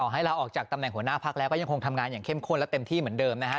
ให้ลาออกจากตำแหน่งหัวหน้าพักแล้วก็ยังคงทำงานอย่างเข้มข้นและเต็มที่เหมือนเดิมนะฮะ